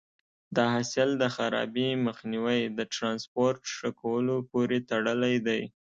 د حاصل د خرابي مخنیوی د ټرانسپورټ ښه کولو پورې تړلی دی.